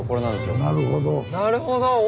なるほど。